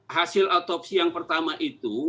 hasil otopsi yang pertama itu